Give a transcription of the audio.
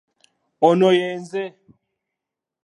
Ono ye nze.